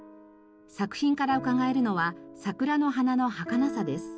作品からうかがえるのは桜の花の儚さです。